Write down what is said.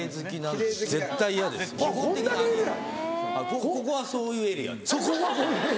ここはそういうエリアです。